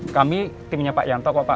kami timnya pak yanto kok pak